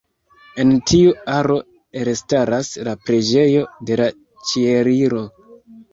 En tiu aro elstaras la Preĝejo de la Ĉieliro.